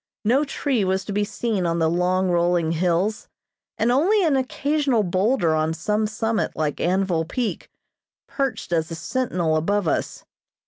No tree was to be seen on the long, rolling hills, and only an occasional boulder on some summit like Anvil Peak, perched as a sentinel above us.